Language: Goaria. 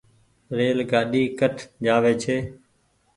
ريل گآڏي ڪٺ جآوي ڇي۔